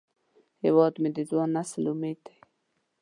هیواد مې د ځوان نسل امید دی